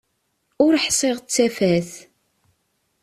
Ur ḥsiɣ d tafat.